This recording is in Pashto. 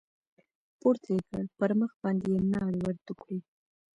پورته يې كړ پر مخ باندې يې ناړې ورتو کړې.